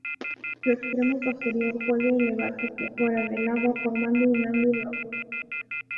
Su extremo posterior puede elevarse hacia fuera del agua, formando un ángulo agudo.